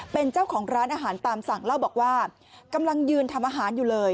เป็นเจ้าของร้านอาหารตามสั่งเล่าบอกว่ากำลังยืนทำอาหารอยู่เลย